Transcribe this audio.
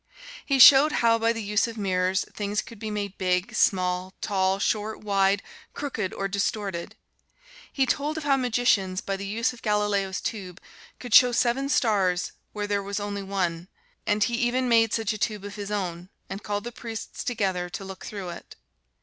He showed how, by the use of mirrors, things could be made big, small, tall, short, wide, crooked or distorted. He told of how magicians, by the use of Galileo's Tube, could show seven stars where there was only one; and he even made such a tube of his own and called the priests together to look through it.